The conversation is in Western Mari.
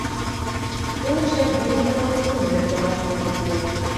Толешӓт, Дуня доно коктын мӧр погаш моло кеӓт.